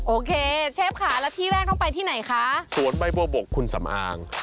โอเคเชฟค่ะแล้วที่แรกต้องไปที่ไหนคะสวนใบบัวบกคุณสำอาง